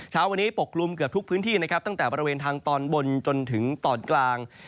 เช้าวันนี้ปกกลุ่มเกือบทุกพื้นที่นะครับตั้งแต่บริเวณทางตอนบนจนถึงตอนกลาง